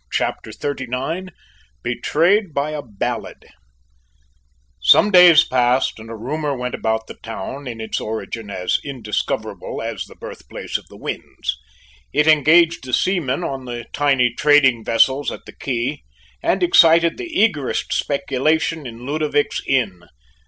CHAPTER XXXIX BETRAYED BY A BALLAD Some days passed and a rumour went about the town, in its origin as indiscoverable as the birthplace of the winds. It engaged the seamen on the tiny trading vessels at the quay, and excited the eagerest speculation in Ludovic's inn.